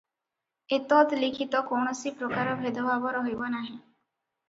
ଏତଦ୍ଲିଖିତ କୌଣସି ପ୍ରକାର ଭେଦଭାବ ରହିବ ନାହିଁ ।